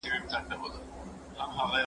څومره خوند څنګه مو خيال وو